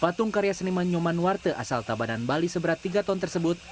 patung karya seniman nyoman warte asal tabanan bali seberat tiga ton tersebut